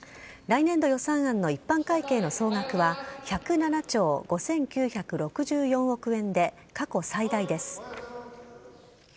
来年度予算案の一般会計の総額は、１０７兆５９６４億円で過去最大です。